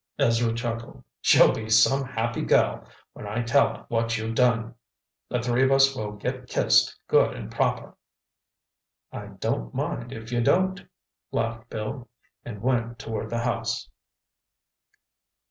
Ezra chuckled. "She'll be some happy girl when I tell her what you've done. The three of us will get kissed good and proper!" "I don't mind, if you don't!" laughed Bill, and went toward the house.